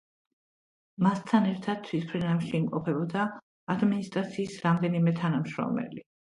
მასთან ერთად თვითმფრინავში იმყოფებოდა ადმინისტრაციის რამდენიმე თანამშრომელი.